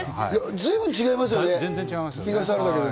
全然違いますよね。